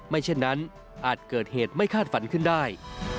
เช่นนั้นอาจเกิดเหตุไม่คาดฝันขึ้นได้